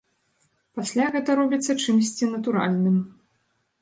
Пасля гэта робіцца чымсьці натуральным.